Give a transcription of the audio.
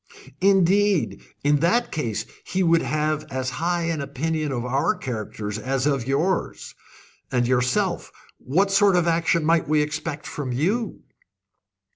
"Indeed! In that case he would have as high an opinion of our characters as of yours. And yourself what sort of action might we expect from you?"